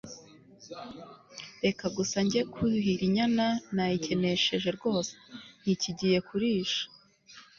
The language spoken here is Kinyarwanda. reka gusa njye kuhira inyana, nayikenesheje rwose, ntikigiye kurisha